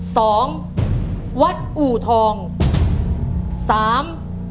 สองวัดอู่ทองสาม